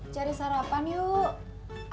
cari sarapan yuk